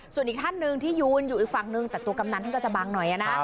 ส่วนอีกท่านหนึ่งที่ยืนอยู่อีกฝั่งนึงแต่ตัวกำนันท่านก็จะบังหน่อยนะ